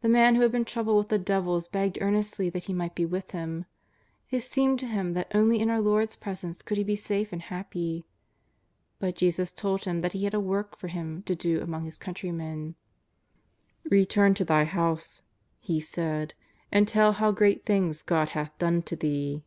The man who had been troubled with the devils begged earnestly that he might be with Him. It seemed to him that only in our Lord's presence could he be safe and happy. But Jesus told him that he had a work for him to do among his countrymen: " Return to thy house," He said, " and tell how great things God hath done to thee.''